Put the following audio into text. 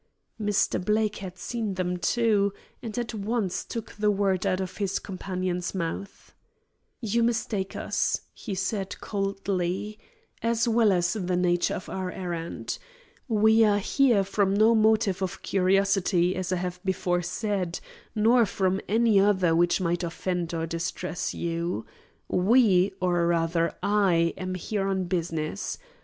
Mr. Blake had seen them, too, and at once took the word out of his companion's mouth. "You mistake us," he said coldly, "as well as the nature of our errand. We are here from no motive of curiosity, as I have before said, nor from any other which might offend or distress you. We or rather I am here on business.